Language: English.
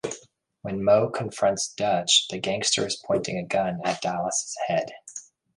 When Moe confronts Dutch, the gangster is pointing a gun at Dallas' head.